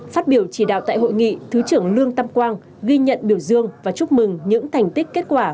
phát biểu chỉ đạo tại hội nghị thứ trưởng lương tam quang ghi nhận biểu dương và chúc mừng những thành tích kết quả